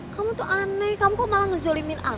kamu tuh aneh kamu kok malah ngezolimin aku